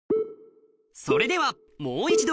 それではもう一度